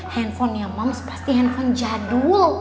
handphonenya moms pasti handphone jadul